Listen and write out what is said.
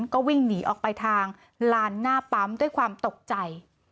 ก็วิ่งหนีออกไปทางลานหน้าปั๊มด้วยความตกใจ